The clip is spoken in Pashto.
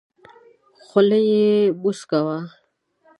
خوله یې موسکه وه .